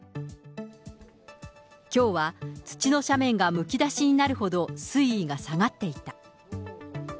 きょうは土の斜面がむき出しになるほど水位が下がっていた。